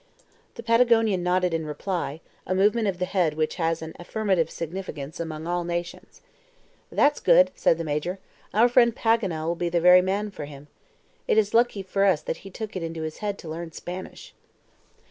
The Patagonian nodded in reply, a movement of the head which has an affirmative significance among all nations. "That's good!" said the Major. "Our friend Paganel will be the very man for him. It is lucky for us that he took it into his head to learn Spanish."